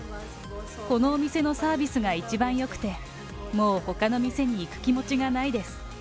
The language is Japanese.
このお店のサービスが一番よくて、もうほかの店に行く気持ちがないです。